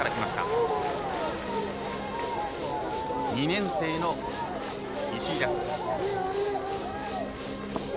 ２年生の石井です。